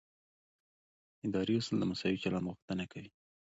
اداري اصول د مساوي چلند غوښتنه کوي.